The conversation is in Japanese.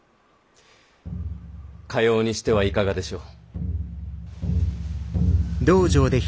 かようにしてはいかがでしょう。